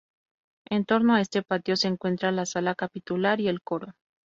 En torno a este patio se encuentra la sala capitular y el coro.